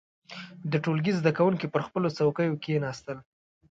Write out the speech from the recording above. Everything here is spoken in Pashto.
• د ټولګي زده کوونکي پر خپلو څوکيو کښېناستل.